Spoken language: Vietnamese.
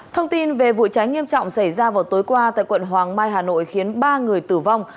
thông tin về vụ cháy nghiêm trọng xảy ra vào tối qua tại quận hoàng mai hà nội khiến ba người tử vong